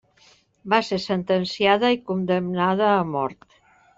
Va ser sentenciada i condemnada a mort.